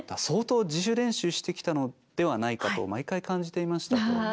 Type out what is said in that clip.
相当自主練習してきたのではないかと毎回感じていましたと。